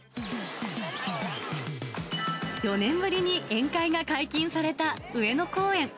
４年ぶりに宴会が解禁された上野公園。